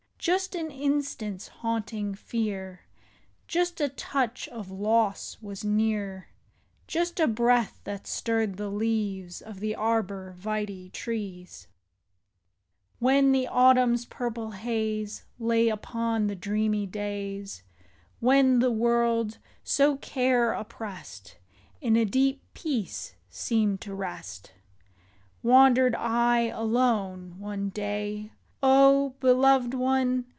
Just an instant's haunting fear. Just a touch of loss was near, Just a breath that stirred the leaves Of the arbor vitse trees. 74 ARBOR VITM. When the autumn's purple haze Lay upon the dreamy days, When the world, so care oppressed, In a deep peace seemed to rest, Wandered I, alone, one day, O beloved one